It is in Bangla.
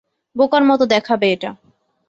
বোকার মতো দেখাবে এটা।